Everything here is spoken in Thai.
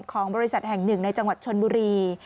ของบริษัทแห่งหนึ่งในจังหวัดชนบุรี